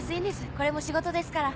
これも仕事ですから。